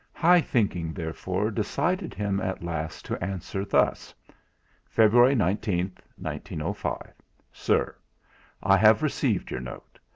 High thinking, therefore, decided him at last to answer thus: "February 19th, 1905. "SIR, I have received your note.